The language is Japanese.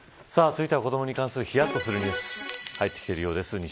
続いては子どもに関するひやっとするニュース入ってきているようです。